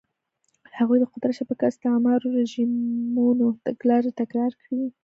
هغوی د قدرت شبکه او د استعماري رژیمونو تګلارې تکرار کړې.